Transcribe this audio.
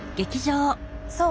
そう。